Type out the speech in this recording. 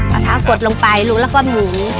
เอาทาปวดลงไปลุกแล้วก็หมุน